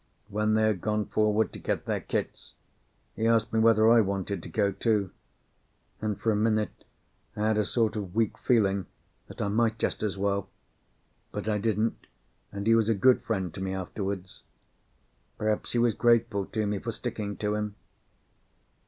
When they had gone forward to get their kits, he asked me whether I wanted to go, too, and for a minute I had a sort of weak feeling that I might just as well. But I didn't, and he was a good friend to me afterwards. Perhaps he was grateful to me for sticking to him.